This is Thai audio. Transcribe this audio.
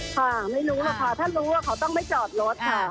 ค่ะไม่รู้หรอกค่ะถ้ารู้ว่าเขาต้องไม่จอดรถค่ะ